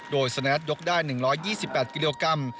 โดยสแนทยกได้๑๒๘กิโลกรัม